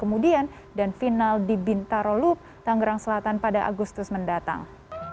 kemudian dan final di bintaro loop tanggerang selatan pada agustus mendatang